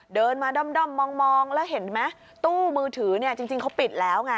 เดินมาด้อมมองแล้วเห็นไหมตู้มือถือเนี่ยจริงเขาปิดแล้วไง